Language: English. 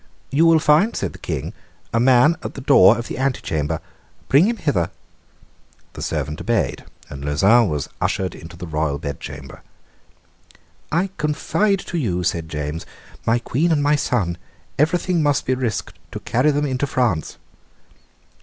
"You will find," said the King, "a man at the door of the antechamber; bring him hither." The servant obeyed, and Lauzun was ushered into the royal bedchamber. "I confide to you," said James, "my Queen and my son; everything must be risked to carry them into France."